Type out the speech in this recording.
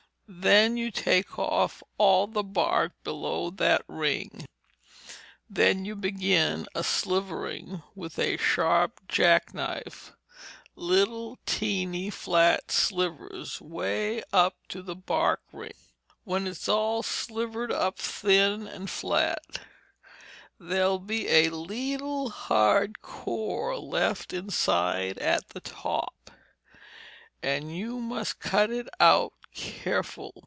Then you take off all the bark below that ring. Then you begin a slivering with a sharp jack knife, leetle teeny flat slivers way up to the bark ring. When it's all slivered up thin and flat there'll be a leetle hard core left inside at the top, and you must cut it out careful.